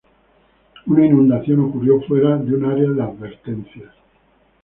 Una inundación ocurrió fuera de un área de advertencias.